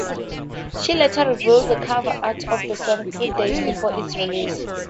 She later revealed the cover art of the song three days before its release.